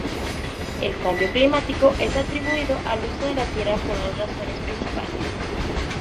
El cambio climático es atribuido al uso de la tierra por dos razones principales.